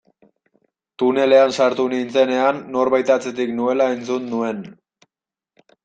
Tunelean sartu nintzenean norbait atzetik nuela entzun nuen.